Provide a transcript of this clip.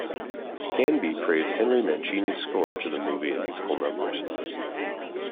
Canby praised Henry Mancini's score to the movie and musical numbers.